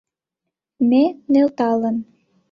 Ме нӧлталын